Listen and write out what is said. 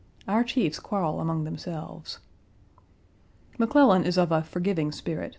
Our chiefs quarrel among themselves. McClellan is of a forgiving spirit.